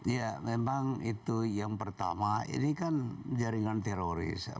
ya memang itu yang pertama ini kan jaringan teroris